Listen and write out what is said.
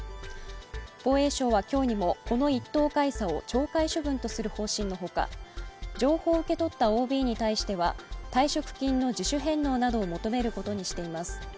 防衛省は今日にもこの１等海佐を懲戒処分とする方針のほか、情報を受け取ったＯＢに対しては退職金の自主返納などを求めることにしています。